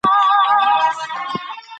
غرونه ونړول شول.